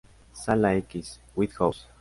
Sala X. White House.